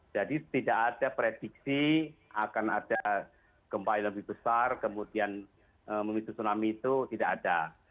jadi tidak ada prediksi akan ada gempa yang lebih besar kemudian memicu tsunami itu tidak ada